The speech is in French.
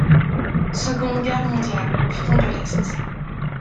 Seconde Guerre mondiale, front de l'Est.